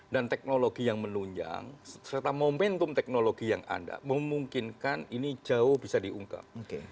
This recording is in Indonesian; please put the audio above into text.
dan teknologi yang menunjang serta momentum teknologi yang ada memungkinkan ini jauh bisa diungkap